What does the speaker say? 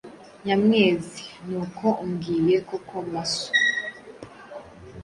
Nyamwezi: Ni uko umbwiye koko Masu!